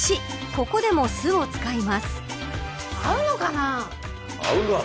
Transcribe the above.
ここでも酢を使います。